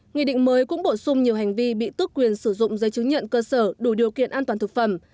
nghị định mới cũng bổ sung nhiều hành vi bị tước quyền sử dụng dây chứng nhận cơ sở đủ điều kiện an toàn thực phẩm